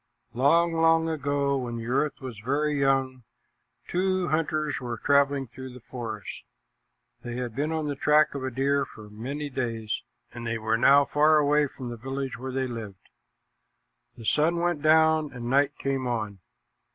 Long, long ago, when the earth was very young, two hunters were traveling through the forest. They had been on the track of a deer for many days, and they were now far away from the village where they lived. The sun went down and night came on.